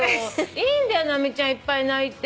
いいんだよ直美ちゃんいっぱい泣いて。